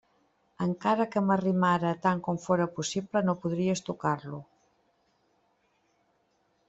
Encara que m'arrimara tant com fóra possible, no podries tocar-lo.